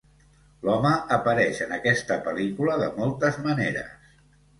L'home apareix en aquesta pel·lícula de moltes maneres.